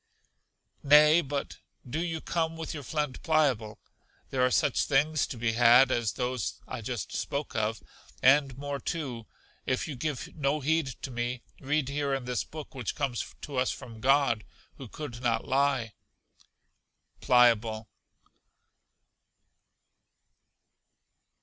Nay, but do you come with your friend Pliable; there are such things to be had as those I just spoke of, and more too. If you give no heed to me, read here in this book which comes to us from God, who could not lie. Pliable.